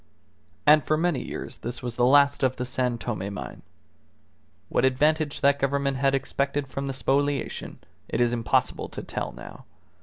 And for many years this was the last of the San Tome mine. What advantage that Government had expected from the spoliation, it is impossible to tell now.